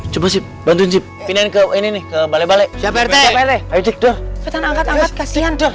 coba sih bantuin cip ini ke ini ke balai balai